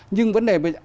nhưng vấn đề bây giờ